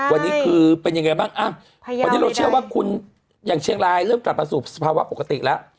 วันนี้คือเป็นยังไงบ้างวันนี้เราเชื่อว่าคุณอย่างเชียงรายเริ่มกลับมาสู่สภาวะปกติแล้ว